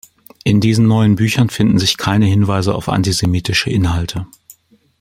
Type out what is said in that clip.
In diesen neuen Büchern finden sich keine Hinweise auf antisemitische Inhalte.